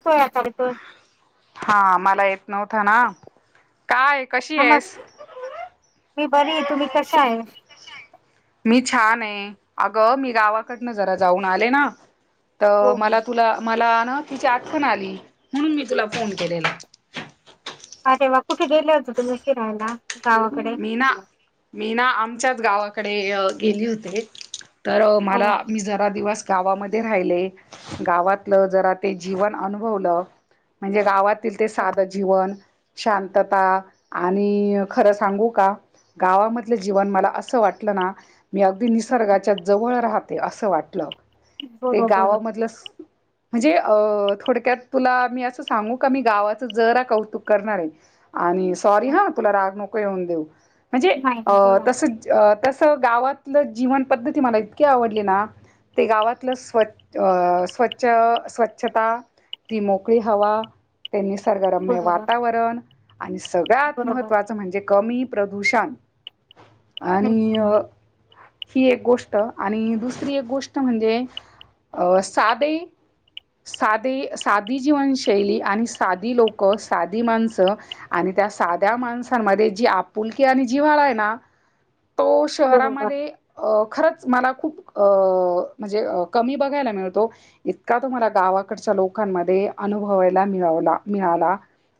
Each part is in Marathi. येतोय आता येतोय हा मला येत नव्हतं ना. काय कशी नमस् आहेस मी बरी तुम्ही कशा आहे. मी छान आहे अगं मी गावाकडनं जरा जाऊन आले ना. तर हो हो मला तुला मला तिची आठवण आली म्हणून मी तुला फोन केलेला अरे वा कुठे गेले होतो तुम्ही फिरायला. गावाकडे मी ना मी ना आमच्याच गावाकडे गेली होते. तर मला मी जरा दिवस गावामध्ये राहिले गावातलं जरा ते जीवन अनुभवलं म्हणजे गावात. साध जीवन शांतता आणि खरच सांगू का गावामधलं जीवन मला असं वाटलं ना मी अगदी निसर्गाच्या जवळ राहते असं वाटलं हो ते बरोबर गावामधलं म्हणजे अ थोडक्यात तुला मी असं सांगू का मी गावाचं जरा कौतुक करणार आहे. आणि सॉरी हा तुला राग नको येऊन देऊ म्हणजे नाही अ नाही बोला ना तसं [inaudible] तसं गावातलं जीवन पद्धती मला इतकी आवडली ना. ते गावातलं स्वच्छ अ. [inaudible] स्वच्छ स्वच्छता ती मोकळी हवा. ते निसर्गरम्य बरोबर वातावरण आणि सगळ्यात बरोबर महत्त्वाचं म्हणजे कमी प्रदूषण हम्म आणि ही एक गोष्ट आणि दुसरी एक गोष्ट म्हणजे अ साधे साधे साधी जीवनशैली आणि साधी लोकं साधी माणसं आणि. त्या साध्या माणसांमध्ये जी आपुलकी आणि जि्हाळा आहे ना- [inaudible] तो बरोबर शहरामध्ये खरंच मला खूप म्हणजे कमी बघायला मिळतो इतका तो मला गावा आकडच्या लोकांमध्ये अनुभवायला मिळवला मिळाला.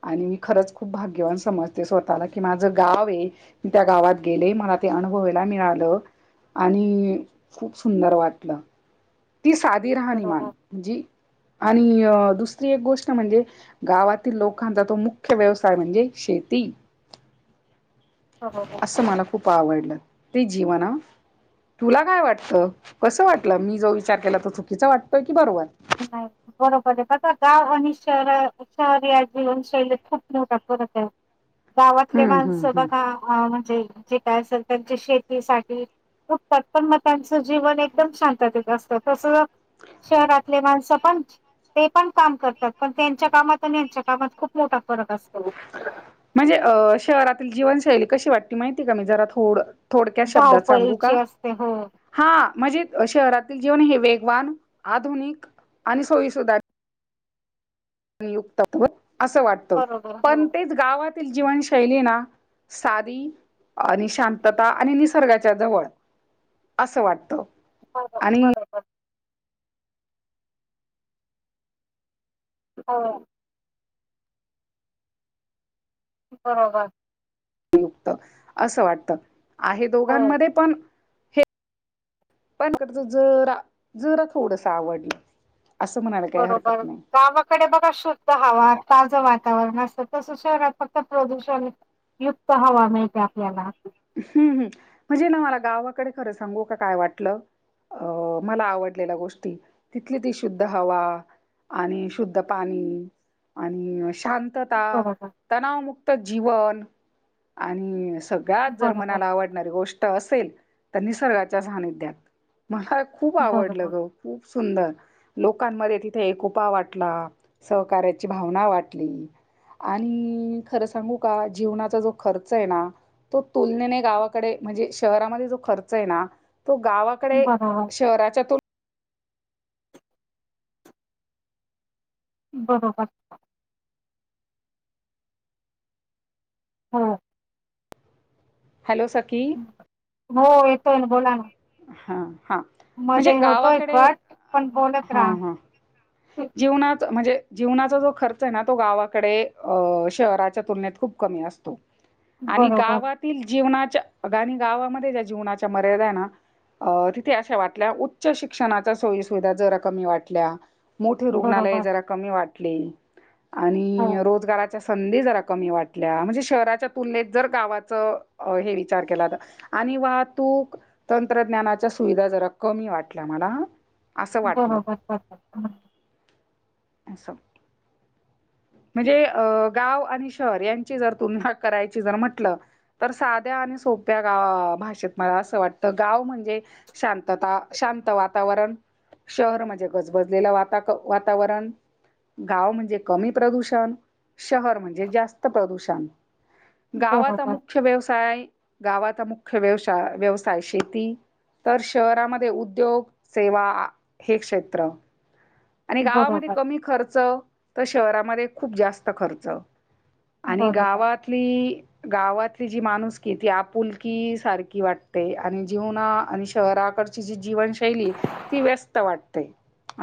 आणि मी खरंच खूप भाग्यवान समजते स्वतःला. की माझं गाव आहे मी त्या गावात गेले मला ते अुभवायला मिळालं आणि खूप सुंदर वाटलं. ती साधी राहणीमान बरोबर जी आणि अन्य दुसरी एक गोष्ट म्हणजे गावातील लोकांचा तो मुख्य व्यवसाय म्हणजे शेती [inaudible] बरोबर असं मला खूप आवडलं ते जीवना तुला काय वाटतं कस वाटलं मी जो विचार केला तर चुकीचा वाटतो की बरोबर नाही बरोबर आहे बघ गाव आणि शहर शहर या जीवनशैलीत खूप ना गावातले हम्म माणस हम्म हम्म बघा म्हणजे जे त्या त्यांच्या शेतीसाठी दुटतात पण मग त्यांचं जीवन एकदम शांततेत असतं तस शहरात आपले माणसं पण ते पण काम करतात पण त्यांच्या कामात आणि त्यांच्या कामात खूप मोठा फरक असतो म्हणजे अ शहरातील जीवनशैली कशी वाटती माहिती का मी जरा थोडं थोडक्या शब्दात सांगू का धावपळीची असते हो हा म्हणजे शहरातील जीवन हे वेगवान आधुनिक आणि सोयीसुधार युक्त असं वाटत बरोबर हो पण तेच गावातील जीवनशैलीना साध आणि शांतता आणि निसर्गाच्या जवळ असं वाटतं बरो आणि बरोबर ह बरोबर त असं वाटत आहे हो दोघांमध्ये पण हे पणकडच जरा जरा थोडस आवडलं असं म्हणायला काही बरोबर हरकत नाही. गावाकडे बघा शुद्ध हवा ताजं वाट वातावरण असत तस शहरात फक्त प्रदूषण युक्त हवा मिळते आपल्याला म्हणजे ना मला गावाकडे खरं सांगू का काय वाटलं अं मला आवडलेल्या गोष्टी तिथली ती शुद्ध हवा आणि आणि शुद्ध पाणी अ शांतता बरोबर तणावमुक्त जीवन आणि [unintelligible] गत जर बरोबर मनाला आवडणारी गोष्ट असेल तर निसर्गाच्या सानिध्यात मला खूप बरोबर आवडलं ग. खूप सुंदर लोकांमध्ये तिथे एकोपा वाटला सहकार्याची भावना वाटली आणि खरं सांगू का जीवनाचा जो खर्च आहे ना. तो तुलनेने गावाकडे म्हणजे शहरामध्ये जो खर्च आहे ना तो गावाकडे बरोबर शहराच्यातून बरोबर. हम. हॅलो सखी. हो येतोय बोला ना. हा म्हणजे मध्ये होतोय गावाकडे कट पण बोलत हा राहा. ह जीवना म्हणजे जीवनाचा जो खर्च आहे ना तो गावाकडे शहराच्या तुलनेत खूप कमी. आणि बरोबर गावातील जीवना गा गावामध्ये ज्या जीवनाच्या मर्यादा आहे ना अ तिथे अशा वाटल्या उच्च शिक्षणाच्या सोयी सुविधा जरा कमी वाटल्या. मोठी रुग्णालये बरोबर जरा कमी वाटली. हो आणि रोजगाराच्या संधी जरा कमी वाटल्या म्हणजे शहराच्या तुलनेत जर गावाचं अ हे विचार केला तर आणि वाहतूक तंत्रज्ञानाच्या सुविधा जरा कमी वाटल्या. मला असं बरोबर बरोबर. अस [unintelligible] म्हणजे अ गाव आणि शहर यांची जर तुलना करायची जर म्हटलं तर साध्या आणि सोप्या गा भाषेत मला असं वाटतं गाव म्हणजे शांतता. शांत वातावरण शहर म्हणजे गजबज. वाता वातावरण गाव म्हणजे कमी प्रदूषण. शहर म्हणजे जास्त प्रदूषण, गावाचा बरोबर मुख्य व्यवसाय गावाचा मुख्य व्यवसाय व्यवसाय शेती. तर शहरामध्ये उद्योग सेवा हे क्षेत्र. आणि गावामध्ये बरोबर कमी खर्च तर शहरामध्ये खूप जास्त खर्च. आणि बरोबर गावातली गावात जी माणुसकी तीआपुलकी सारखी वाटते. आणि जीवना आणि शहराकडची जी जीव जीवनशैली ती व्यस्त वाटते.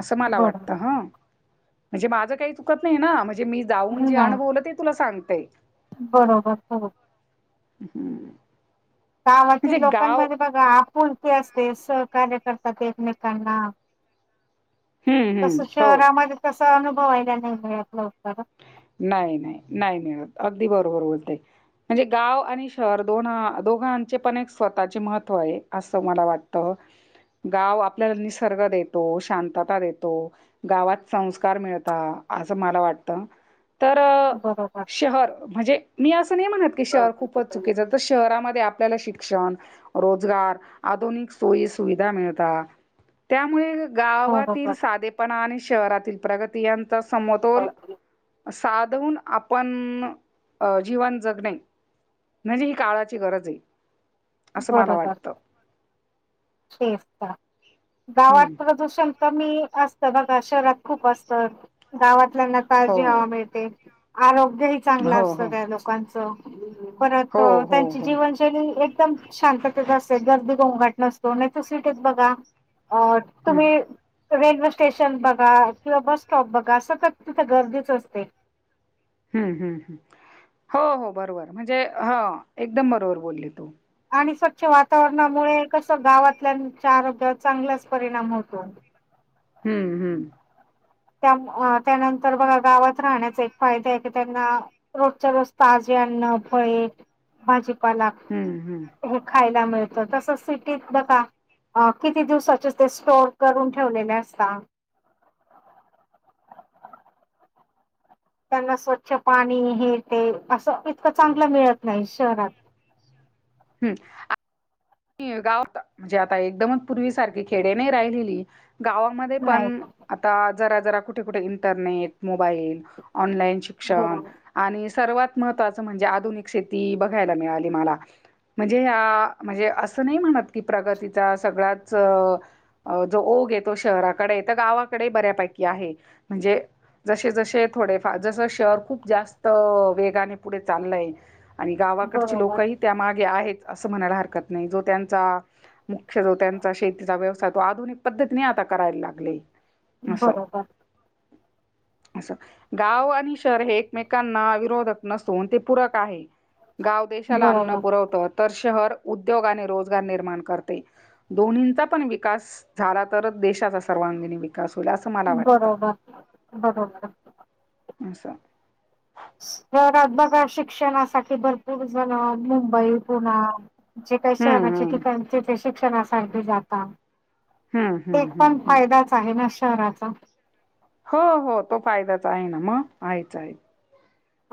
असं मला वाटतं बरोबर ह म्हणजे माझ काही चुकत नाही ना म्हणजे म्हे मी जाऊन जे नाही अनुभवलं ते तुला सांगते. बरोबर हो. हम्म गावातील म्हणजे गाव लोकांमध्ये बघा आपण असते सहकार्य करतात एकमेकांना. हम्म हम्म तस हो शहरामध्ये तस अनुभवायला नाही मिळत लवकर. नाही नाही नाही मिळत अगदी बरोबर बोलते. म्हणजे गाव आणि शहर दोन दोघांचे पण एक स्वतःचे महत्त्व आहे असं मला वाटत. गाव आपल्याला निसर्ग देतो, शांतता देतो. गावात संस्कार मिळतात. असं मला वाटतं तर बरोबर. शहर म्हणजे मी असं नाही म्हणत की शहर खूपच चुकीचं तर शहरामध्ये आपल्याला शिक्षण, रोजगार, आधुनिक सोयी सुविधा मिळतात. त्यामुळे गावातील बरोबर साधेपणा आणि शहरातील प्रगती यांचा समतोल बरोबर साधवून आपण जीवन जगणे. म्हणजे ही काळाची गरज आहे असं मला वाटतं. शेष गावात हम्म प्रदूषण कमी असत बघा. शहरात खूप असतं गावातल्यांना हो ताजी हवा मिळते. आरोग्यही चांगलं हो असतं हो त्या लोकांचं. परत हो हो त्यांची हो. जीवनशैली एकदम शांततेेत असते गर्दी गोंगाट सोनच सीट आहेत बघा अ हं, तुम्ही रेल्वे स्टेशन बघा किंवा बस स्टॉप बघा सतत तिथे गर्दीच असते. हम्म हम् हम् हो हो बरोबर म्हणजे ह एकदम बरोबर बोलली तू आणि स्वच्छ वातावरणामुळे कस गावातल्याच्या आरोग्यावर चांगलाच परिणाम होतो हम्म हम्म त्यानंतर बघा गावात राहण्याचा एक फायदाे आहे की त्यांना रोजच्या रस्ताज फळे भाजीपाला हं, हं. खा मिळत तस सिटीत बघा अ किती दिवसाचे ते स्टोअर करून ठेवलेले असता त्यांना स्वच्छ पाणी हे ते असं इतकं चांगलं मिळत नाही शहरात हम्म गाव म्हणजे आता एकदमच पूर्वी सारखी खेडे नाही राहिलेली गावामध्ये नाही पण आता जरा जरा कुठे कुठे इंटरनेट मो बाईल ऑनलाईन शिक्षण बरोबर आणि सर्वात महत्तवाचं म्हणजे आधुनिक शेती बघायला मिळाली मला म्हणजे अ असं नाही म्हणत की प्रगतीचा सगळच अअ अ जो ओघ येतो शहराकडे तर गावाकडे बऱ्यापैकी आहे म्हणजे जसे जसे थोडे जस शहर खूप जास्त वेगाने पुढे चाललंय आणि गावाकडची बरोबर लोकही त्यामागे आहेत असं म्हणायला हरकत नाही जो त्यांचा मुख्य जो त्यांचा शेतीचा व्यवसाय तो आधुनिक पद्धतीने आता करायला लागले असं बरोबर असं गाव आणि शहर हे एकमेकांना विरोधक नसून ते पूरक आहे गाव देशाला अन्न बरोबर पुरवतं तर शहर उद्योग आणि रोजगार निर्माण करते दोन्हींचा पण विकास झाला तरच देशाचा सर्वांगिण विक कसल असं मला वाटतं बरोबर बरोबर. असं ात बघा शिक्षणासाठी भरपूर झालं मुंबई पुणा जे काही हम्म शहणाचे हम्म ठिकाणथ शिक्षणासाठी जाता हम्म हम्म एक हम्म पण हम्म फायदाच आहे ना शहराचा हो हो तो फायद्याचा आहे ना मग आहेच आहे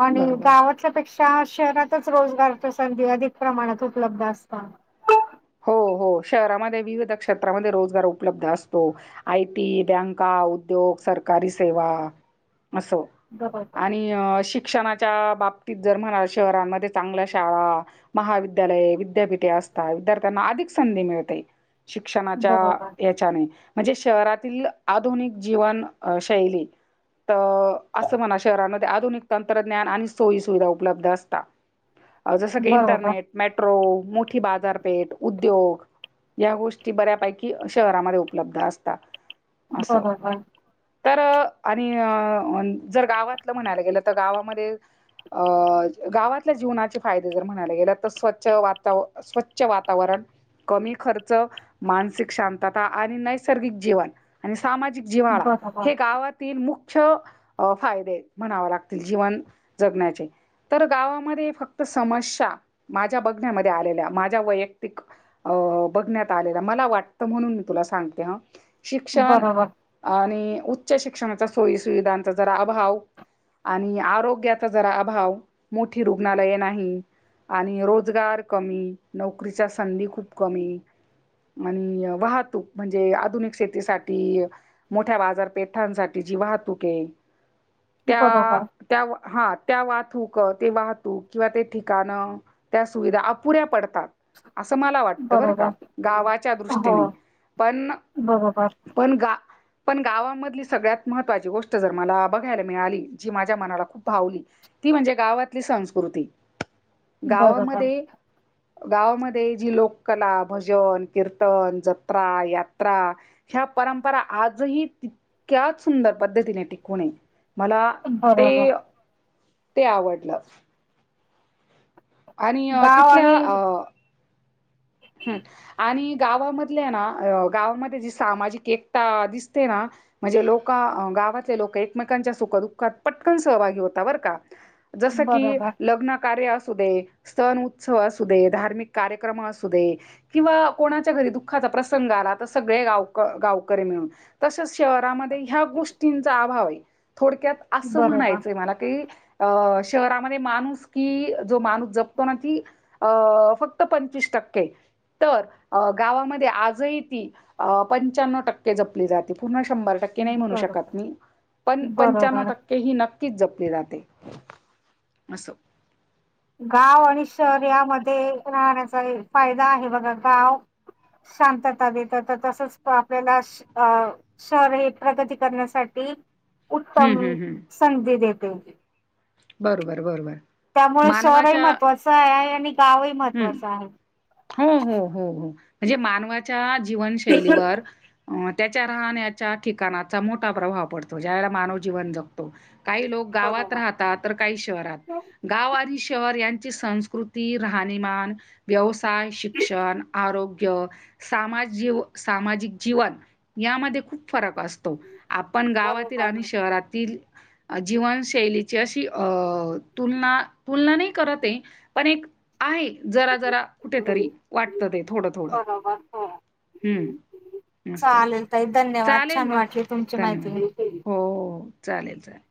आणि बरोबर गावातल्यापेक्षा त्या शहरातच रोजगारच्या संधी अधिक प्रमाणात उपलब्ध असतात हो हो शहरामध्ये विविध क्षेत्रामध्ये रोजगार उपलब्ध असतो आयटी बँका ो सी बरोबर, स शिक्षण बाबतित जर म्हणाल शहरमध्ये चांगल्या शाळा महाविद्यालय विद्यापीठे असात वि्या त्यांना अधिक संधी मिळते शिक्षणाच्या बरोबर, याच्याने म्हणजे शहरातील आधुनिक जीवन शैली तर असं म्हणा शहरामध्ये आधुनिक तंत्रज्ञान आणि सोयी सुविधा उपलब्ध असतात जसं की बरोबर, इंटरनेट मेट्रो मोठी बाजारपेठ उद्योग या गोष्टी बऱ्यापैकी शहरामध्ये उपलब्ध असतात ह असं. ह हा तर आणि अ जर गावातलं म्हणायला गेलं तर गावामध्ये अ गावातल्या जीवनाचे फायदे जर म्हणायला गेले तर स्वच्छ वाता स्वच्छ व तवरण कमी खर्च मानसिक शांतता आणि नैसर्गिक जीवन आणि सामाजिक जिवाळा बरोबर. हे गावातील मुख्य चछ फायदे म्हणाव लागतील जीवन जगण्याचे तर गावामध्ये फक्त समस्या माझ्या बघण्यामध्ये आलेल्या माझ्या वैयक्त बघण्यात आले मला वाटतं म्हणून मी तुला सांगते ह शिक्षण बरोबर, आणि उच्च शिक्षणाचा सोयी सुविधांचा जरा अभाव आणि आरोग्याचा जरा अभाव मोठी रुग्णालये नाही, आणि रोजगार कमी, नोकरीच्या संधी खूप कमी, आणि वाहतूक म्हणजे आधुनिक शेतीसाठी मोठ्या बाजारपेठांसाठी जीवा तुके, बरोबर, त्या हा त्या थूक ते वाहतूक किंवा ते ठिकाणं त्या सुविधा अपुऱ्या पडतात. असं मला वाटत बरं का बरोबर. गावाच्या हो दृष्टीन पण बरोबर, पण का पण गावामधली सगळ्यात महत्वाची गोष्ट जर मला बघायला मिळाली, जी माझ्या मनाला खूप भावली, ती म्हणजे गावातली संस्कृती, बरोबर, गावामध्ये गावामध्ये जी लोककला भजन, कीर्तन, जत्रा, यात्रा, ह्या परंपरा आजही तितक्याच सुंदर पद्धतीने टिकू नये. मला बरोबर. ते ते आवडलं. आणि गाव तिथल्या आणि अ हम् आणि गावामधले ना गावामध्ये जी सामाजिक एकता दिसते ना! म्हणजे लोक गावातले लोक एकमेकांच्या सुखदुःखात पटकन सहभागी होता बरं का! जस की बरोबर, लग्न कार्य असू दे, सन उत्सव असू दे, धार्मिक कार्यक्रम अस असू दे, किंवा कोणाच्या घरी दुःखाचा प्रसंग आला तर तर सगळे गावकर गावकरी तसं शहरामध्ये ह्या गोष्टींचा अभाव थोडक्यात असं बरोबर, म्हणायचंय मला की अ शहरामध्ये माणूस की जो माणूस जपतो ना ती अ फक्त पंचवीस टक्के, ओक! तर गावामध्ये आजही ती पंच्यान्व टक्के जपली जाते. पु शंभर टक्के नाही म्हणू शकता बरोबर. मी, पण पच्यानउ बरोबर टक्के हि ना नकीच जपली जाते. अस गाव आणि शहर यामध्ये राहण्याचा फायदा आहे बघा गाव शांतता देत तर तसच आपल्याला अ शहर हे प्रगती करण्यासाठी, हं, उत्तम हं, हं. संधी देते. बरोबर! बरोबर! त्यामुळे शहरही मानवाच्या महत्त्वाचं आहे आणि गावही हं. महत्त्वाचं आहे. हो हो हो हो म्हणजे मानवाच्या जीवनशैलीवर अ त्याच्या राहण्याच्या ठिकाणाचा मोठा प्रभाव पडतो. ज्या मानव जीवन जगतो, काही लोक गावात बरोबर राहता गाव काही शहरात गाव आणि शह शहर यांची संस्कृती राहणीमान, व्यवसाय, शिक्षण आरोग्य, सामाज सामाज जीवन यामध्ये खूप फरक असतो, आपण गावातील आणि बरोबर शहरातील जीवनशैलीची अशी अ तुलना तुलना नाही करत आहे, पण एक आहे जरा जरा कुठेतरी वाटतं ते थोडं - थोडं बरोबर हो. हम्म, अच्छा! चालेल ताई धन्यवाद चालेल छान मग वाटली तुमची धन्यवाद माहिती. हो चालेल चालेल.